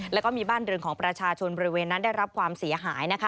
แล้วก็มีบ้านเรือนของประชาชนบริเวณนั้นได้รับความเสียหายนะคะ